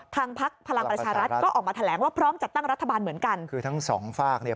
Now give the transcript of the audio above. แถแห้งว่าพร้อมจะตั้งรัฐบาณเหมือนกันคือทั้งสองฝากเนี้ย